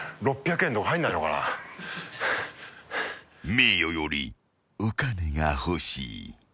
［名誉よりお金が欲しい］